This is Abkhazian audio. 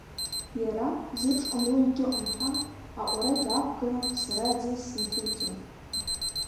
Иара, зеиԥш ҟамло егьыҟам ҳәа, аҟәара даақәгылан, сара аӡы сынҭеиҵон.